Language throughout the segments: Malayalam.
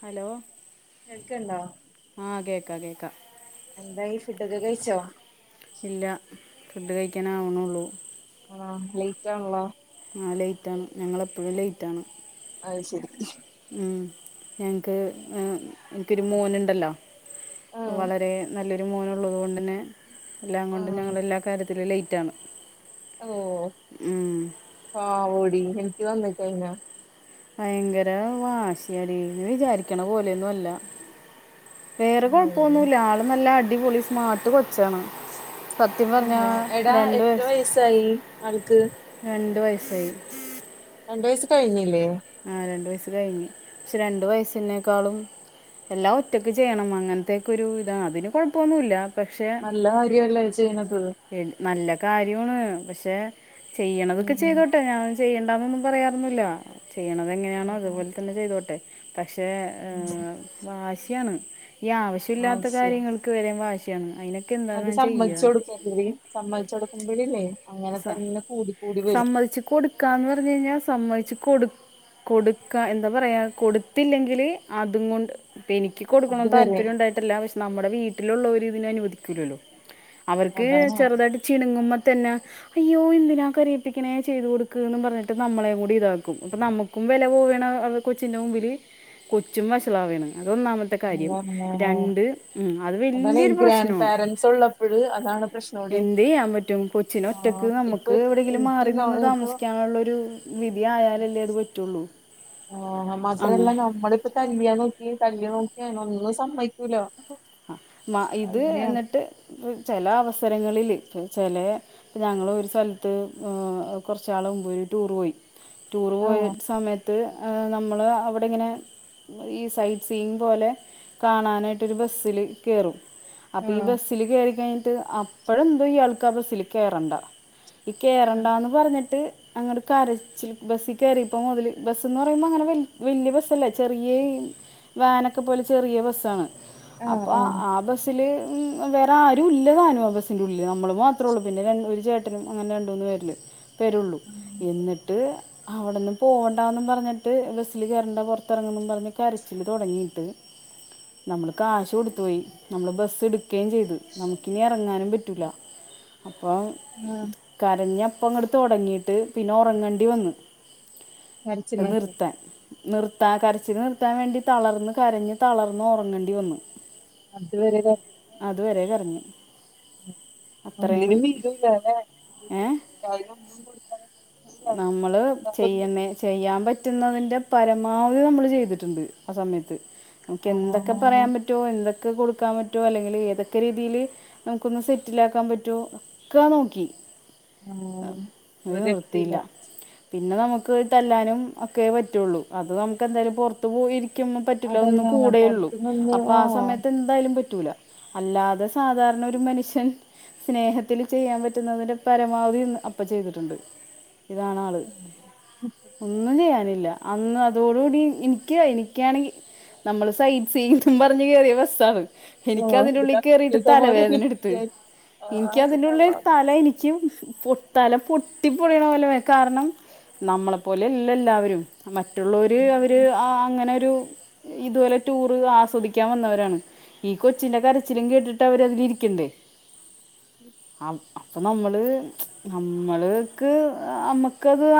ഹലോ കേൾക്കണ്ടോ ആ കേക്കണ്ട് എന്തായി ഫുഡൊക്കെ കഴിച്ചോ ഇല്ല ഫുഡ് കഴിക്കാനാവണുള്ളൂ ആ ലേറ്റ് ആണല്ലോ ആ ലേറ്റാണ് ഞങ്ങളെപ്പോഴും ലേറ്റാണ് അയി ശരി ഉം ഞങ്ങക്ക് എനിക്കൊരു മോനുണ്ടല്ലോ ആഹ് വളരെ നല്ലൊരു മോനുള്ളത് കൊണ്ടന്നെ എല്ലാം കൊണ്ട് ആഹ് ഞങ്ങളെല്ലാ കാര്യത്തിലും ലേറ്റാണ് ഓഹ് പാവോടി എനിക്ക് തന്നേക്കതിനെ- ഭയങ്കര വാശിയാടി നീ വിചാരിക്കണ പോലെയൊന്നും അല്ല- വേറെ കൊഴപ്പൊന്നുമില്ല ആള് നല്ല അടിപൊളി സ്മാട്ട് കൊച്ചാണ്- സത്യം ഉം പറഞ്ഞാ ആഹ് എടാ രണ്ട് എത്ര വയസ്സ് വയസ്സായി ആൾക്ക് രണ്ടു വയസായി- രണ്ടു വയസ് കഴിഞ്ഞില്ലേ? ആഹ് രണ്ടു വയസ്സ് കഴിഞ്ഞ് പക്ഷെ രണ്ടു വയസിനേക്കാളും- എല്ലാം ഒറ്റക്ക് ചെയ്യണം അങ്ങനത്തെക്കെരു ഇതാണ് അതിന് കൊഴപ്പൊന്നുമില്ല- നല്ല കാര്യല്ലേ ചെയ്യണത്- നല്ല കാര്യമാണ് പക്ഷെ ചെയ്യണതൊക്കെ ഉം ചെയ്തോട്ടെ ഞാൻ- ചെയ്യണ്ടാന്നൊന്നും പറയാറൊന്നൂല്ല ചെയ്യണത് ഉം എങ്ങനെയാണോ ഉം അതുപോലെ തന്നെ ചെയ്തോട്ടെ പക്ഷേ വാശിയാണ് ഈ ആവശ്യമില്ലാത്ത അത് ശരി കാര്യങ്ങളില് വരെ വാശിയാണ് അതിനെ അത് സമ്മതിച്ചു കൊടുക്കുമ്പോഴെ സമ്മതിച്ചു കൊടുക്കുമ്പോഴില്ലേ അങ്ങനെ സ തന്നെ കൂടി കൂടി വരും സമ്മതിച്ച് കൊടുക്കാന്ന് പറഞ്ഞു കഴിഞ്ഞാൽ സമ്മതിച്ച് കൊടു കൊടുക്കാ എന്താ പറയ്യാ കൊടുത്തില്ലെങ്കിൽ അതും കൊണ്ട് എനിക്കും അത് കൊടുക്കണം വരെ താല്പര്യം ഉണ്ടായിട്ടില്ല പക്ഷെ നമ്മുടെ വീട്ടിലുള്ളവര് ഇതിന് അനുവദിക്കില്ലല്ലോ അവർക്ക് അതാണ് ചെറുതായിട്ട് ചിണുങ്ങുമ്പ തന്നെ അയ്യോ എന്തിനാ കരയിപ്പിക്കണേ ചെയ്തു കൊടുക്കൂന്ന് പറഞ്ഞിട്ട് നമ്മളെ കൂടി ഇതാക്കും അപ്പൊ നമുക്കും വില പോവ്വാണെ കൊച്ചിന്റെ മുമ്പില് കൊച്ചും വഷളാവാണ് അതൊന്നാമത്തെ - കാര്യം അതാണ് രണ്ട് അത് അതാണ് ഈ വലിയൊരു ഗ്രാൻഡ് പ്രശ്നമാണ് പാരൻസ് ഉള്ളപ്പോഴ് അതാണ് പ്രശ്നോടി എന്ത് ചെയ്യാൻ പറ്റും കൊച്ചിനെ ആഹ് ഒറ്റക്ക് ഇപ്പൊ നമുക്ക് എവിടെയെങ്കിലും മാറി നിന്ന് എനിക്ക് ഇപ്പൊ താമസിക്കാനുള്ളൊരു വിധി ആയാലല്ലേ അത് പറ്റുള്ളൂ ആഹ് അങ്ങനെ മാത്രല്ല നമ്മളിപ്പോ കല്യാണം നോക്കിയാല് കല്യാണം നോക്കിയായൊന്നും സമ്മതിക്കൂല ആഹ് ഇത് എന്നിട്ട് ചില അവസരങ്ങളില് ചില ഞങ്ങള് ഒരു സ്ഥലത്ത് കുറച്ചാള് മുമ്പ് ഒരു ടൂർ പോയി ടൂറ് പോയ ആഹ് സമയത്ത് നമ്മള് അവിടെ ഇങ്ങനെ ഈ സൈറ്റ് സീൻ പോലെ കാണാനായിട്ട് ഒരു ബസില് കേറും അപ്പ ഈ ആഹ് ബസില് കേറിക്കഴിഞ്ഞിട്ട് അ അപ്പഴിണ്ട് ഈ ആൾക്ക് ആ ബസ്സിൽ കേറണ്ട കേറണ്ടാന്ന് പറഞ്ഞിട്ട് അങ്ങനെ കരച്ചിൽ ബസ്സിൽ കയറിയപ്പ മുതല് ബസിന്ന് പറയുമ്പോ അങ്ങനെ വല്യ ബസ്സല്ല ചെറിയ വാനൊക്കെ പോലെ ചെറിയ ബസ്സാണ് ആഹ് അപ്പോ ആഹ് ആ ബസ്സിൽ ഉം വേറാരും ഇല്ലതാനും ആ ബസിന്റുള്ളില് നമ്മള് മാത്രേ ഉള്ളൂ പിന്നെ ഒരു ചേട്ടനും അങ്ങനെ രണ്ടു മൂന്ന് പേര് വരുള്ളൂ എന്നിട്ട് അവിടന്ന് പോവണ്ടാന്നും പറഞ്ഞിട്ട് ബസ്സില് കയറണ്ട പൊറത്തിറങ്ങും പറഞ്ഞ് കരച്ചില് തുടങ്ങിട്ട് നമുക്കാശ് കൊടുത്തു പോയി നമ്മൾ ബസ് എടുക്കുകയും ചെയ്തു നമുക്കിനി ഇറങ്ങാനും പറ്റില്ല അപ്പം ആഹ് കരഞ്ഞപ്പങ്ങട് തുടങ്ങിയിട്ട് പിന്നെ ഉറങ്ങേണ്ടി വന്നു കരച്ചിലിനൊക്കെ നിർത്താൻ നിർത്താൻ കരച്ചിൽ നിർത്താൻ വേണ്ടി തളർന്ന് കരഞ്ഞ് തളർന്നു ഉറങ്ങേണ്ടി വന്നു അതുവരെലം അതുവരെ കരഞ്ഞു അത്രയും ഉള്ളിൽ വിഡിയോ ഉണ്ടായിരുന്നതാണ് [unintelligible] നമ്മള് ചെയ്യന്നേ ചെയ്യാൻ പറ്റുന്നതിന്റെ പരമാവധി നമ്മള് ചെയ്തിട്ടുണ്ട് ആ സമയത്ത് നമുക്ക് എന്തൊക്കെ ആഹ് പറയാൻ പറ്റും എന്തൊക്കെ കൊടുക്കാൻ പറ്റോ അല്ലെങ്കിൽ ഏതൊക്കെ രീതിയില് നമുക്കൊന്ന് സെറ്റിലാക്കാൻ പറ്റോ ഒക്കെ നോക്കി ആഹ് ഒരു നിവർത്തിയില്ല പിന്നെ നമുക്ക് തല്ലാനും ഒക്കെയെ പറ്റുള്ളൂ അത് നമുക്ക് എന്തായാലും പുറത്ത് പോയിരി രിക്കുമ്പോ പറ്റില്ല ഒന്ന് അതന്നെ കൂടെള്ളൂ പൊറത്ത് നിന്ന് അപ്പൊ ആഹ് സമയത്ത് എ എന്തായാലും പറ്റൂല അല്ലാതെ സാധാരണ ഒരു മനുഷ്യൻ സ്നേഹത്തില് ചെയ്യാൻ പറ്റുന്നതിന്റെ പരമാവധി അപ്പൊ ചെയ്തിട്ടുണ്ട് ഇതാണ് ആള് ഒന്നും ചെയ്യാനില്ല അന്ന് അതോടുകൂടി എനിക്ക് എനിക്കാണെങ്കിൽ നമ്മള് സൈറ്റ് സീറ്റെന്നും പറഞ്ഞ് കേയറിയ ബസ്സാണ് എനിക്ക് ഓഹ് ഇത് അതിനുള്ളിൽ കരച്ചില് കയറിയിട്ട് തല വേദന എടുത്ത് സമാധാനിപ്പിക്കാൻ എനിക്ക് അതിന്റെയുള്ളിൽ ആഹ് തല എനിക്ക് ശരിക്കും തല പൊട്ടി പൊടിയണ പോല കാരണം നമ്മളെപ്പോലെ എല്ല എല്ലാവരും മറ്റുള്ളവര് അവര് അങ്ങനെരു ഇതുപോലെ ടൂറ് കുതിക്കാൻ വന്നവരാണ് ഈ കൊച്ചിന്റെ കരച്ചിലും കേട്ടിട്ട് അവരതില് ഇരിക്കണ്ടേ അപ്പൊ നമ്മള് നമ്മള്ക്ക്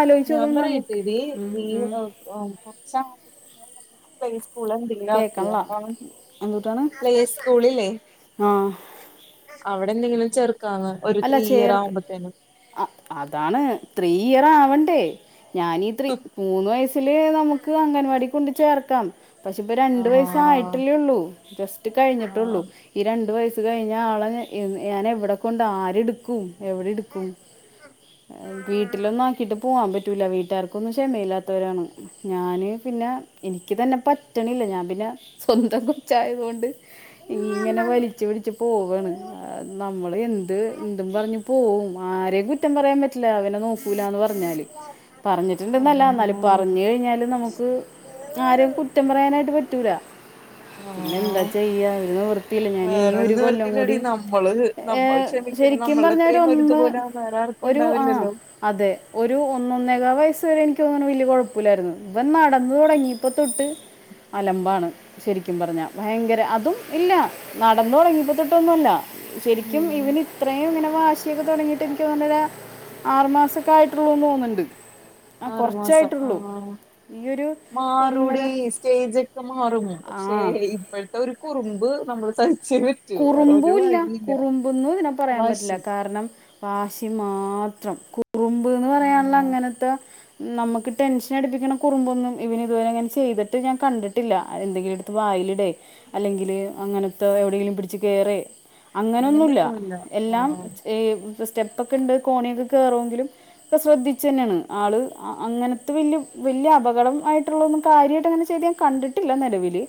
ആലോയ്ച്ചോക്ക് നമുക്ക് ഓ കൊച്ചാ പ്ലേസ്കൂളുണ്ട് കേക്കണില്ല എന്തുട്ടാണ് പ്ലേസ്കൂളില്ലേ ആ അവിടെ എന്തെങ്കിലും ചേർക്കാന്ന് ഒരു അല്ല ത്രീ ഇയർ ചേർക്ക് ആവുമ്പത്തേനും അതാണ് ത്രീ ഇയർ ആവണ്ടേ ഞാനീത്രി മൂന്ന് വയസ്സിലെ നമുക്ക് അംഗൻവാടി കൊണ്ട് ചേർക്കാം പക്ഷേ ഇപ്പം രണ്ടു വയസ് ആഹ് ആയിട്ടില്ലേ ഉള്ളൂ ജസ്റ്റ് കഴിഞ്ഞിട്ടുള്ളൂ ആഹ് ഈ രണ്ടു വയസ്സ് കഴിഞ്ഞ ആളെ ഞാൻ എവിടെ കൊണ്ട് ത് ആരെടുക്കും എവിടെ എടുക്കും വീട്ടിലൊന്നും ആക്കിയിട്ട് പോകാൻ പറ്റൂല്ല വീട്ടുകാർക്കൊന്നും ക്ഷമയില്ലാത്തവരാണ് ഞാന് പിന്നെ എനിക്ക് തന്നെ പറ്റണില്ല ഞാൻ പിന്നെ സ്വന്തം കൊച്ചായത് കൊണ്ട് ഇങ്ങനെ വലിച്ചു വലിച്ച് പോവാണ് നമ്മള് എന്ത് എന്തും പറഞ്ഞു പോവും ആരേയും കുറ്റം പറയാൻ പറ്റില്ല അവനെ നോക്കൂലാന്ന് പറഞ്ഞാലും പറഞ്ഞിട്ടുണ്ടന്നല്ല അതന്നെ എന്നാലും പറഞ്ഞു കഴിഞ്ഞാല് നമുക്ക് ആരെയും കുറ്റം പറയാനായിട്ട് പറ്റൂല പിന്നെ എന്താ ആഹ് ചെയ്യാ ഒരു നിവർ തില്ല ഞാൻ വേറൊരു ഇനിയൊരു കൊല്ലം കൂടി നിവർത്തിയില്ലടി നമ്മള് ഏ നമ്മൾ ക്ഷമിക്കണം ശരിക്കും നമ്മളുടെ പറഞ്ഞാ ഒരു അത്രയും ഒന്ന് ഒരുതുപോലെ വേറെ ആർക്കും ഒരു ആഹ് ഉണ്ടാവില്ലല്ലോ അതെ ഒരു ഒന്നന്നൊകാൽ വയസ്സ് വരെ എനിക്ക് തോന്നണ് വലിയ കുഴപ്പില്ലായിരുന്നു ഇവൻ നടന്ന് തുടങ്ങി പ്പൊ തൊട്ട് അലമ്പാണ് ശരിക്കും പറഞ്ഞാ ഭയങ്കര അതും ഇല്ല നടന്ന് തുടങ്ങിയപ്പോ തൊട്ടൊന്നുമല്ല ശരിക്കും ഉം ഇവന് ഇ ഇത്രയും ഇങ്ങനെ വാശിയൊക്കെ തുടങ്ങിയിട്ട് എനിക്ക് തോന്നണത് ആറ് മാസൊക്കെ ആയിട്ടുള്ളൂന്ന് തോന്നുണ്ട് ആറ് മാസം ആഹ് ഈ ഒരു ഒന്നര മാറൂടി സ്റ്റേജ് ഒക്കെ മാറും പക്ഷേ ആ ഇപ്പോഴത്തെ ഒരു കുറുമ്പ് നമ്മള് സഹിച്ചെ പറ്റു കുറുമ്പൂല്ല കുറുമ്പുംന്ന് ഇതിനെ പറയാൻ പറ്റില്ല വാശി കാരണം വാശി മാത്രം കുറുംമ്പ്ന്ന് പറയാനുള്ള ആഹ് അങ്ങനത്തെ നമുക്ക് ടെൻഷൻ അടുപ്പിക്കണ കുറുമ്പൊന്നും ഇവന് ഇതുവരെ അങ്ങനെ ചെയ്തിട്ട് ഞാൻ കണ്ടിട്ടില്ല എന്തെങ്കിലും വായിലിടെ അല്ലെങ്കില് അങ്ങനത്തെ എവിടെയെങ്കിലും പിടിച്ച് കേറെ അങ്ങനെയൊന്നുല്ല എല്ലാം ഏ സ്റ്റെപ്പ് ഒക്കെ ഉണ്ട് കോണിയൊക്കെ കേയറുഎങ്കിലും ഇപ്പം ശ്രദ്ധിച്ചു തന്നെയാണ് ആള് അങ്ങനത്തെ വലിയ വലിയ അപകടംമായിയിട്ടുള്ള ഒന്നും കാര്യമായിട്ട് അങ്ങനെചെയ്ത് കണ്ടിട്ട് ഇല്ല നിലവില്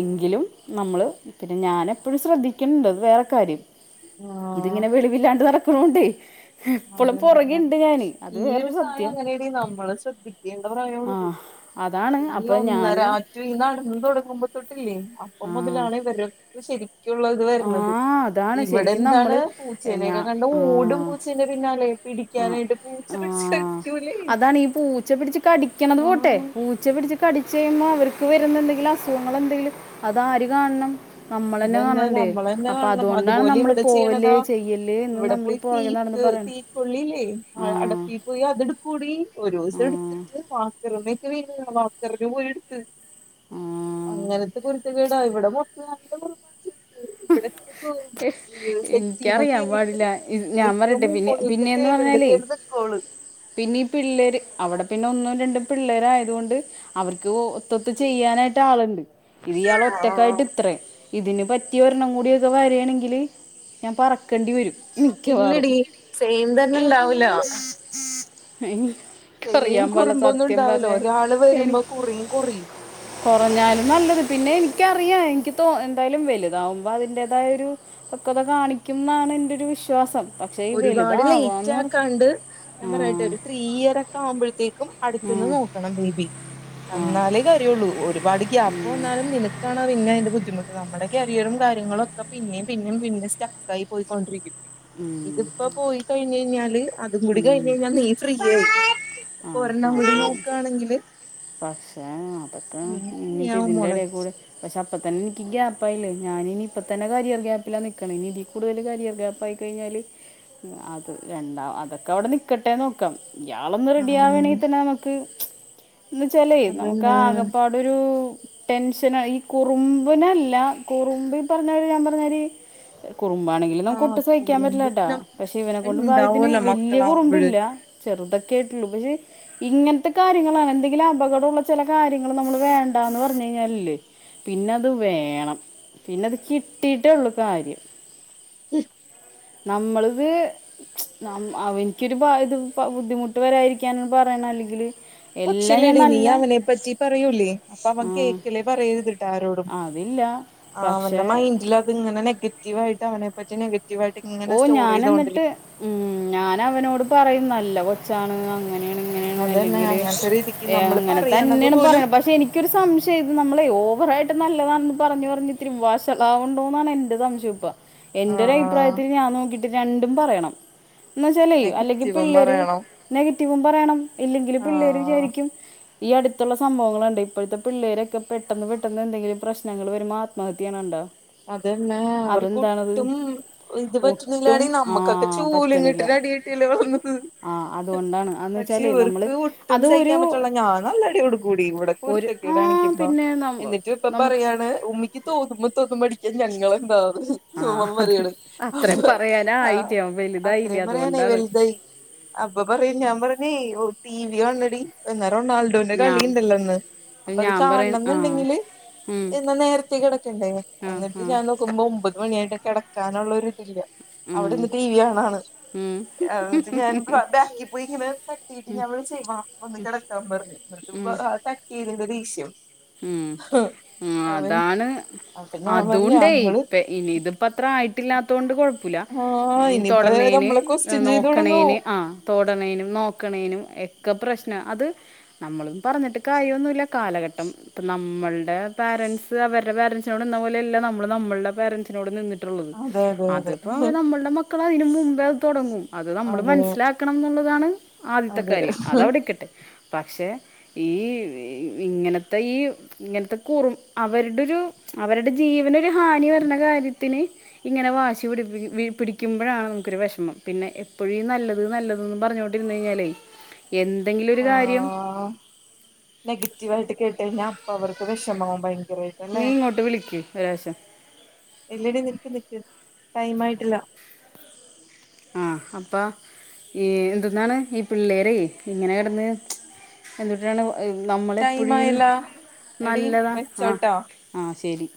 എങ്കിലും നമ്മള് പിന്നെ ഞാനും എപ്പോഴും ശ്രദ്ധിക്കണുണ്ട് വേറെ കാര്യം ആഹ് ഇതിങ്ങനെ വെളിവില്ലാണ്ട് നടക്കണോണ്ടേ ഈ ഒരു വേറൊരു പ്രായം സത്യം അങ്ങനെയടി നമ്മള് ശ്രദ്ധിക്കേണ്ട ആ പ്രായമാണിത് അതാണ് ഇനി അപ്പം ഞാൻ ഒന്നരാ നടന്ന് തുടങ്ങുമ്പോ തൊട്ടില്ലേ അപ്പൊ ആ മുതലാണ് ഇവരെ ശരിക് ള്ളത് ആ വരണത് അതാണ് ഇവിടെ ശരിക്കും നമ്മൾ എന്താണ് പൂച്ചേനൊക്കെ ഞാൻ കണ്ട ഓടും ആ പൂച്ചന്റെ പിന്നാലെ പിടിക്കാനായിട്ട് പൂച്ച ആ പിടിച്ച് കടിക്കൂല്ലേ അതാണ് ഈ പൂച്ച പിടിച്ച് കടിക്കണത് പോട്ടെ പൂ പൂച്ചെ പിടിച്ച് കടിച്ച് കഴിയുമ്പോ അവർക്ക് വരുന്ന എന്തെങ്കിലും അസുഖങ്ങൾ എന്തെങ്കിലും അതാര് കാണണം നമ്മള തന്നെ കാണണ് നമ്മള തന്നെ കാണണം അതുപോലെ ഇവിടെ ചെയ്യണതാ ചെയ്യല് എന്ന് ഇവിടെ നമ്മൾ ഈ പോയി പുറകെ നടന്ന് തീക്ക് പറയണം തീക്കള്ളില്ലേ ആ അടപ്പി പോയി അത എടുക്കൂടി ഒരു ആ ദിവസം എടുത്തിട്ട് വാക്കരമ്മൊക്കെ വീണ വാക്കറി പോയി എടുത്ത് ആ അങ്ങനത്തെ കുരുത്തകേടാ ഇവിടെ മൊത്തം നല്ല കുറ ചെയ്യ ഉ ഇവിടക്ക പോ സെറ്റീമ ക എനിക്കറിയാൻ കേറിയിട്ട് പാടില്ല ഇത് ഞാൻ ഏറ്റവും പറയട്ടെ പിന്നെ മുമുകളിലട്ട് പിന്നെ എന്ന് ടേബിളിൽ പറഞ്ഞാലേ കയറിതക്കവള് പിന്നെ ഈ പിള്ളേര് അവിടെ പിന്നെ ഒന്നും രണ്ടും പിള്ളേര ആയതു കൊണ്ട് അവർക്ക് ഒത്തൊത്ത് ചെയ്യാനായിട്ട് ആളുണ്ട് ഇത് ഇയാള് ഒറ്റക്കായിട്ട് ഇത്രേം ഇതിന് പറ്റ് [unintelligible] ഒരെണ്ണം കൂടിയൊക്കെ വരേണങ്കില് ഞാൻ പറ ക്കണ്ടി വരും മിക്കവാറും ഇല്ലടി സെയിം തന്നെ ഉണ്ടാവൂല അയിന് സെയിം കുറുമ്പൊന്നും ഒണ്ടാവൂല ഒരാള് വരുമ്പോ കുറയും കുറയും കൊറഞ്ഞാലും നല്ലത് പിന്നെ എനിക്കറിയാം എനിക്ക് തോ എന്തായാലും വെലു ഇതാവുമ്പോ അതിന്റെതായ ഒരു പക്വത കാണിക്കും ന്നാണ് എന്റൊരു വിശ്വാസം പക്ഷേ ഈ ഒരുപാട് ലേറ്റ് വലുതാവാന്ന് പറഞ്ഞു ആക്കാണ്ട് ഞാൻ ആ പറയട്ടെ ഒരു ത് ത്രീ ഇയർ ഒക്കെ ആവുമ്പോഴത്തേക്കും ആ അടുത്തന്ന് നോക്കണം ബേബി ആ അന്നാലേ കാര്യുള്ളൂ ഒരുപാട് ഉം, ഗ്യാപ്പ് വന്നാലും നിനക്കാണാ പിന്നെ അതിന്റെ ബുദ്ധിമു നമ്മടെ കരിയറും കാര്യങ്ങളും ഒക്കെ പിന്നെയും പിന്നെയും പിന്നേം സ്റ്റക്ക് ആയി പോയി ക്കൊണ്ടിരിക്കും ഉം. ഇതിപ്പോ പോയി കഴിഞ്ഞ് കഴിഞ്ഞാല് അതും കൂടി ഉം. കഴിഞ്ഞ് കഴിഞ്ഞാ നീ ഫ്രീ ആയി ആ അപ്പൊ ഒരെണ്ണം കൂടി അത് നോക്കാണെങ്കില് പക്ഷേ അതൊക്കെ നീ ഫ്രീ ഇനിപ്പ ആവും ഇതിന്റെ മോളെ എടേ കൂടെ പക്ഷെ അപ്പ തന്നെ എനിക്ക് ഗ്യാപ്പായില്ലേ ഞാന് ഇനിയിപ്പ തന്നെ കരിയർ ഗ്യാപ്പിലാ നിക്കണെ ഇനി ഇതി കൂ കൂടുതല് കരിയർ ഗ്യാപ് ആയി കഴിഞ്ഞാല് അത് രണ്ടാ അതൊക്കെ അവിടെ നിക്കട്ടേന്ന് വെക്കാം നാ [unintelligible] റെഡി ആവേണെങ്കി ആഹ് തന്ന നമുക്ക് എന്ന് വെച്ചാലേ നമുക്ക് അതന്നെ ആകെ പാ [unintelligible] ഒരു ടെൻഷനായി കുറുമ്പിനല്ല കുറുമ്പ് ഈ പറഞ്ഞവര് ഞാൻ പറഞ്ഞ മാതിരി [unintelligible] കുറുമ്പാണെങ്കില് നമുക്ക് ആഹ് ഒട്ടും സഹിക്കാൻ പറ്റില്ല കുറുമ്പ് കേട്ടാ പിന്നെ പക്ഷെ ഇവനെ ക്കൊണ്ട് ഭാഗ്യത്തിന് ഉണ്ടാവല്ലോ വല്യ മക്കളാവുമ്പഴ് കുറുമ്പില്ല ചെറുതൊക്കെ ആയിട്ടേ ഉള്ളൂ പക്ഷേ ഇങ്ങനത്തെ കാര്യങ്ങളാണ് എന്തെങ്കിലും അപകടോള്ള ചെല കാര്യങ്ങള് നമ്മള് വേണ്ടാന്ന് പറഞ്ഞു കഴിഞ്ഞാലില്ലേ പിന്നത് വേണം പിന്നത് കിട്ടീട്ടേ ഉള്ളു കാര്യം ഇഹ് നമ്മളത് നം അവനിക്കൊരു ബാ ഇത് ബുദ്ധിമു [unintelligible] വരായിരിക്കാനാണ് പറയണം അല്ലെങ്കില് പക്ഷെ ഇല്ലേടി നീ അവനെപ്പറ്റി പറയൂലേ അപ്പൊ അവൻ ആ, കേക്കലേ പറയരുത് ട്ട ആരോടും അതില്ല ആഹ് അവന്റെ പക്ഷേ മൈന്റിലതിങ്ങന നെഗറ്റീവ് ആയിട്ട് അവനെ പറ്റി നെഗ [unintelligible] ഇങ്ങനെ സ്റ്റോർ ചെയ്തൊണ്ടിരി ഉം ഞാൻ അവനോട് പറയും നല്ല കൊച്ചാണ് അങ്ങനേണ് അങ്ങനേണ് അതന്നെ അല്ലെങ്കില് അങ്ങനത്തെ രീതിക്ക് [unintelligible] നമ്മള് അങ്ങനെ പറയണത് തന്നേണ് പോലും പറയണ പക്ഷെ എനി ക്ക് ഒരു സംശയം ഇത് നമ്മളെ ഓവറായിട്ട് നല്ലതാണെന്ന് പറഞ്ഞ് പറഞ്ഞ് ഇത്തിരി വാശളാവുണ്ടോന്നാണ് എൻ്റെ സംശയം ഇപ്പ ആ എന്റെ ഒരു അഭിപ്രായ [unintelligible] രണ്ടും പറയണം എന്ന് വെച്ചലേ അല്ലെങ്കി നെഗറ്റീവും പിള്ളേര് പറയണം നെഗറ്റീവും പറയണം ഇല്ലെങ്കില് ആ പിള്ളേര് വിചാരിക്കും ഈ അടുത്തൊള്ള സംഭവങ്ങള് കണ്ട ഇപ്പോഴത്തെ പിള്ളേരൊക്കെ പെട്ടെന്ന് പെട്ടെന്ന് എന്തെങ്കിലും പ്രശ്നങ്ങള് വരുമ്പോ ആത്മഹത്യ ചെയ്യണ കണ്ടാ അതന്നെ അവർക്ക് ഒട്ടും ഇത് ഒട്ടും പറ്റുന്നില്ലാടീന്നോ ആ നമ്മക്കൊക്കെ ചൂലും പറ്റണില്ല കെട്ടീട്ട് അടി കിട്ടിയല്ലേ ആ [unintelligible] അതുകൊണ്ടാണ് അതെന്ന് പക്ഷെ വെച്ചാൽ നമ്മൾ ഇവർക്ക് ഒട്ടും അത് സഹിക്കാൻ ഒരു പറ്റണില്ല ഞാൻ നല്ല അടി കൊടുക്കു ടി ഇവിടെ ഒരു കുരുത്ത ക്കേട് ആ കാണിക്കുമ്പൊ പിന്നെ നമ്മ എന്നിട്ട് ഇപ്പൊ നമുക്ക് പറയാണ് ഉമ്മിക്ക് തോന്നുമ്പോ തോന്നുമ്പോ അടിക്കാൻ ഞങ്ങള് ആ എന്താണ് ഓൻ അത് പറയണ് അത്രയും അപ്പൊ ആഹ് പറയാനായിട്ട് ഞാൻ വലുതായില്ല അത്രേം പറയാനായി അതുകൊണ്ടാണ് വലുതായി അപ്പൊ പറയും ഞാൻ പറഞ്ഞേ ഒ ടി വി കാണണെടി എന്നാ റൊണാൾ [unintelligible] ഞാൻ കളിണ്ടല്ലോ ഇന്ന് അപ്പൊ അത് ഞാൻ പറയണ കാണണം ആ എന്നുണ്ടെങ്കില് ഉം, എന്നാ നേരത്തെേ കെടക്കണ്ടേ ആ എന്നിട്ട് ആ ഞാൻ നോക്കുമ്പോ ഒമ്പത് മണിയായിട്ട് കെടക്കാനൊള്ളൊരു ഇതില്ല ഉം, അവിടെന്ന് ടി വി കാണാണ് ഏഹ് എന്നിട്ട് ഉം, ഞാൻ ബാക്കീ പോയിങ്ങനെ തട്ടീട്ട് ഞാൻ വിളിച്ചേ വാ വന്ന് കെടക്കാൻ പറഞ്ഞ് എന്നിട്ടിപ്പാ തട്ടെയ്തിന്റെ ദേഷ്യം ഉം ഉം അവൻ അതാണ് അപ്പൊ ഞാൻ പറഞ്ഞു അതോണ്ടേ ഞങ്ങള് പെ [unintelligible] ഇനി ഇതിപ്പ അത്ര ആയി ഇല്ലാത്തോണ്ട് കുഴപ്പുല്ല ആ ഇനിയിപ്പ തൊടണേന് നമ്മളെ ക്വസ്റ്റ്യൻ ചെയ്ത് തുടങ്ങോ നോക്കണേന് ആ തൊടണേനും നോക്കണേനും എക്കെ പ്രശ്നാ അത് നമ്മളും പറഞ്ഞിട്ട് കാര്യൊന്നുല്ല കാലഘട്ടം അപ്പ നമ്മൾടെ പാരെന്റ്സ് അവരുടെ പാരെന്റ്സിനോട് നിന്ന പോലെയല്ല നമ്മള് നമ്മൾടെ പാരെന്റ്സിനോട് നിന്നി ഉള്ളത് അതെ അതെ അതെ അതിപ്പോ നമ്മൾടെ മക്കളയിനും മുമ്പേ തുടങ്ങും അത് നമ്മൾ മനസ്സിലാക്കാണെന്നുള്ളതാണ് ആദ്യത്തെ അതെ അതെ കാര്യം അതവിടെക്കട്ടെ പക്ഷേ ഈ ഇങ്ങനത്തെ ഈ ഇങ്ങനത്തെ കൂറും അവരുടൊരു അവരുടെ ജീവനൊരു ഹാനി വരണ കാര്യത്തിന് ഇങ്ങനെ വാശി പിടിപ്പിക്കു പിടിക്കുമ്പോഴാണ് നമുക്കൊരു വെഷമം പിന്നെ എപ്പോഴും ഇ നല്ലത് നല്ലതതെന്ന് പറഞ്ഞോ ഇരുന്നേയിഞ്ഞാലേ എന്തെങ്കിലും ഒരു കാര്യം നെഗറ്റീവ് ആയിട്ട് കേട്ടെഴിഞ്ഞാ അപ്പൊ അവർക്ക് വിഷമാവും ഭയങ്കരെ നീ ഇങ്ങോട്ട് വിളിക്ക്‌ ഒരാശം ഇല്ലെടി നിക്ക് നിക്ക് ടൈം ആയിട്ടില്ല ആ അപ്പൊ ഏ എന്തെന്നാണ് ഈ പിള്ളേരെ ഇങ്ങനെ കെടന്ന് എന്തുട്ടാണ് ടൈം നമ്മളെപ്പോഴും ഇ ആയല്ല എടി നല്ലതാ ആ വെച്ചോട്ടോ ആ ശെരി